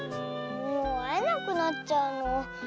もうあえなくなっちゃうの。